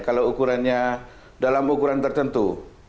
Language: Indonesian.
kalau ukurannya dalam ukuran tertentu